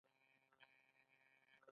ایا مصنوعي ځیرکتیا د انساني شک ځای نه نیسي؟